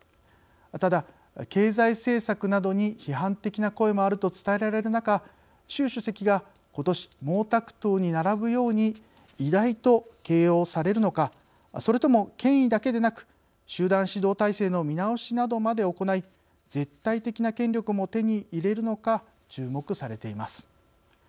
ただ、経済政策などに批判的な声もあると伝えられる中習主席が、ことし毛沢東に並ぶように偉大と形容されるのかそれとも、権威だけでなく集団指導体制の見直しなどまで行い絶対的な権力をも手に入れるのか注目されています。